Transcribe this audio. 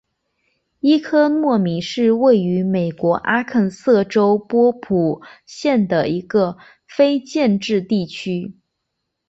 伊科诺米是位于美国阿肯色州波普县的一个非建制地区。